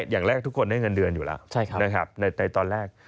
อย่างแรกทุกคนได้เงินเดือนอยู่แล้วนะครับในตอนแรก